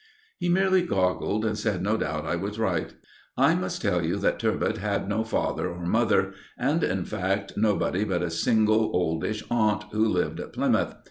He merely goggled, and said no doubt I was right. I must tell you that "Turbot" had no father or mother, and, in fact, nobody but a single, oldish aunt who lived at Plymouth.